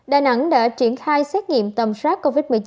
đà nẵng đã triển khai xét nghiệm tầm soát covid một mươi chín